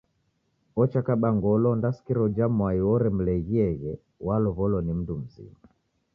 Ocha kaba ngolo ondasikira uja mwai oremleghieghe walow’olo ni mndu mzima.